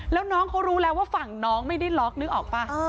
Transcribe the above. แล้วน้องเขารู้แล้วว่าฝั่งน้องไม่ได้ล็อกนึกออกป่ะ